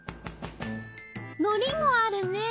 のりもあるね